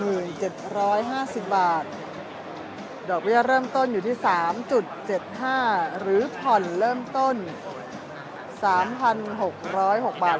โปรโมชั่นภายในงานนี้อยู่ที่ยดาวจึง